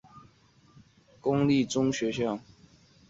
朝来市立生野中学校位于日本兵库县朝来市的公立中学校。